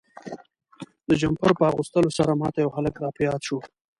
د جمپر په اغوستلو سره ما ته یو هلک را په یاد شو.